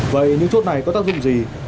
vậy những chốt này có tác dụng gì